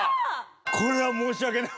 これは申し訳ない。